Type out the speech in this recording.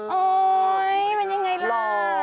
โอ๊ยมันยังไงล่ะ